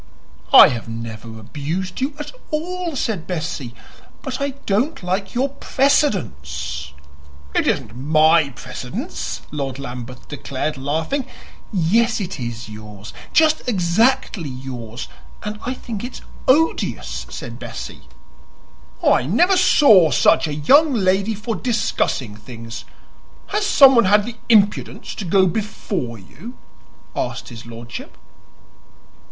"I have never abused you at all," said Bessie; "but I don't like your PRECEDENCE." "It isn't my precedence!" Lord Lambeth declared, laughing. "Yes, it is yours just exactly yours; and I think it's odious," said Bessie. "I never saw such a young lady for discussing things! Has someone had the impudence to go before you?" asked his lordship.